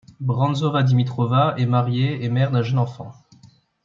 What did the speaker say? Branzova-Dimitrova est mariée et mère d'un jeune enfant.